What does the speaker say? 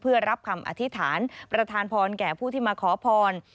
เพื่อรับคำอธิษฐานประธานพรแก่ผู้ที่มาขอพร